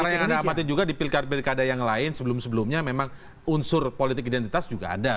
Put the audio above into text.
karena yang anda amati juga di pilkada pilkada yang lain sebelum sebelumnya memang unsur politik identitas juga ada